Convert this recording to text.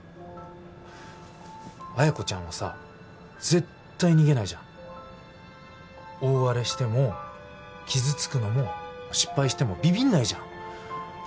彩子ちゃんはさ絶対逃げないじゃん大荒れしても傷つくのも失敗してもビビんないじゃん